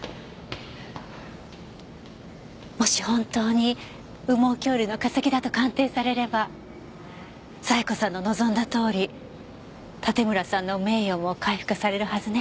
もし本当に羽毛恐竜の化石だと鑑定されれば冴子さんの望んだとおり盾村さんの名誉も回復されるはずね。